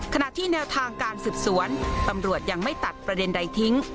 ขณะที่แนวทางการสืบสวนตำรวจยังไม่ตัดประเด็นใดทิ้ง